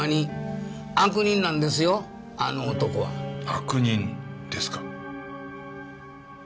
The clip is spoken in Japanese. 悪人ですか。